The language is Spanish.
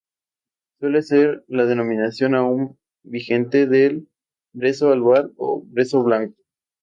Suele ser la denominación aún vigente del brezo albar o brezo blanco.